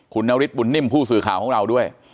คุณนฤทธบุญนิ่มผู้สื่อข่าวของเราด้วย